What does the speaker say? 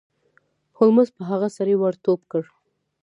هولمز په هغه سړي ور ټوپ کړ.